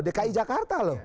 dki jakarta lho